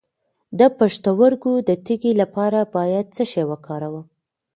د پښتورګو د تیږې لپاره باید څه شی وکاروم؟